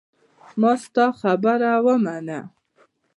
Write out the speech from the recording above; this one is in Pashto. ما ستا خبره ومنله.